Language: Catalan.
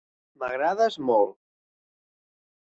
M'agrades molt.